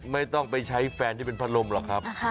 ไม่ต้องไปใช้แฟนที่เป็นพัดลมหรอกครับ